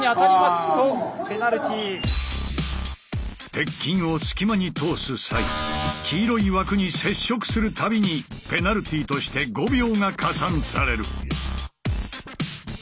鉄筋を隙間に通す際黄色い枠に接触するたびにペナルティとして５秒が加算される。